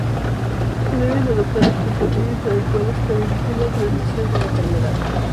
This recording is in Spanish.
Se deben adoptar las precauciones adecuadas para evitar la transmisión de la enfermedad.